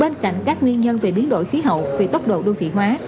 bên cạnh các nguyên nhân về biến đổi khí hậu về tốc độ đô thị hóa